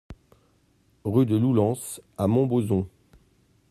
Rue de Loulans à Montbozon